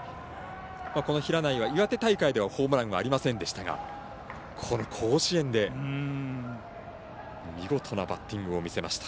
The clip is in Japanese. この平内は岩手大会ではホームランはありませんでしたがこの甲子園で見事なバッティングを見せました。